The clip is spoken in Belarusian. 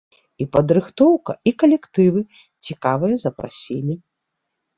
І падрыхтоўка, і калектывы цікавыя запрасілі.